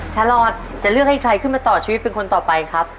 ฉลอดจะเลือกให้ใครขึ้นมาต่อชีวิตเป็นคนต่อไปครับ